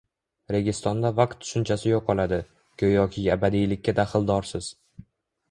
“Registonda vaqt tushunchasi yo‘qoladi, go‘yoki abadiylikka daxldorsiz”